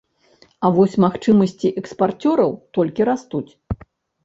А вось магчымасці экспарцёраў толькі растуць.